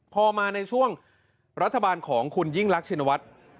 พอมาในช่วงรัฐบาลของคุณยิ่งรักชินวัฒน์